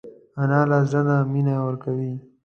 انا له زړه نه مینه ورکوي